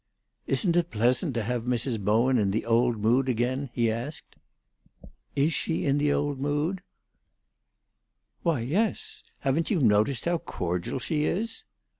"Isn't it pleasant to have Mrs. Bowen in the old mood again?" he asked. "Is she in the old mood?" "Why, yes. Haven't you noticed how cordial she is?